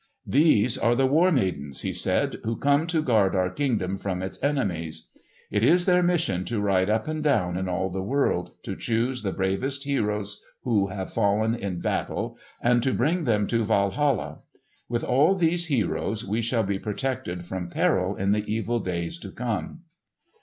"These are the War Maidens," he said, "who come to guard our kingdom from its enemies. It is their mission to ride up and down in all the world, to choose the bravest heroes who have fallen in battle, and to bring them to Walhalla. With all these heroes we shall be protected from peril in the evil days to come."